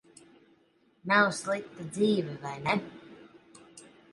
Nav slikta dzīve, vai ne?